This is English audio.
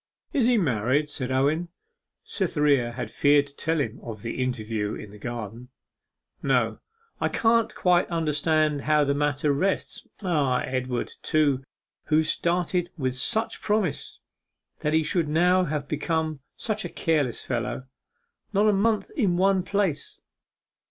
'Is he married?' said Owen. Cytherea had feared to tell him of the interview in the garden. 'No. I can't quite understand how the matter rests.... Ah! Edward, too, who started with such promise; that he should now have become such a careless fellow not a month in one place.